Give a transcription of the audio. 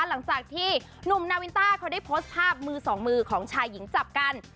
หลังจากที่หนุ่มนาวินต้าเขาได้โพสต์ภาพมือสองมือของชายหญิงจับกัน